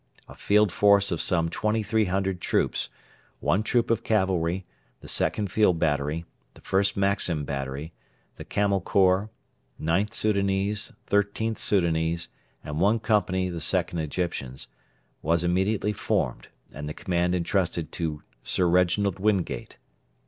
A field force of some 2,300 troops one troop of cavalry, the 2nd Field Battery, the 1st Maxim Battery, the Camel Corps, IXth Soudanese, XIIIth Soudanese, and one company 2nd Egyptians was immediately formed, and the command entrusted to Sir Reginald Wingate.